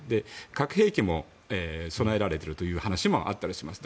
核兵器も備えられているという話もあったりします。